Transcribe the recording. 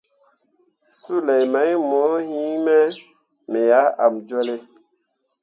Sulei mai mo yinme, me ah emjolle.